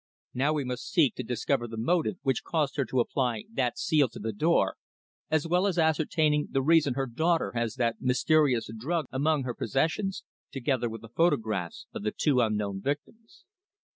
Now we must seek to discover the motive which caused her to apply that seal to the door, as well as ascertaining the reason her daughter has that mysterious drug among her possessions, together with the photographs of the two unknown victims."